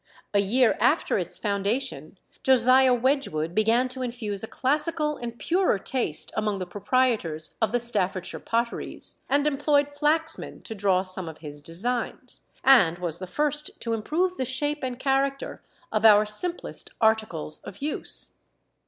A year after its foundation Josiah Wedgwood began to infuse a classical and purer taste among the proprietors of the Staffordshire potteries, and employed Flaxman to draw some of his designs, and was the first to improve the shape and character of our simplest articles of use.